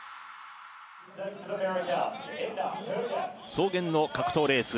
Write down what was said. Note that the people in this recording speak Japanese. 草原の格闘レース